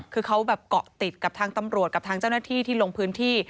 คือเขาแบบเกาะติดกับทางตำรวจกับทางเจ้าหน้าที่ที่ลงพื้นที่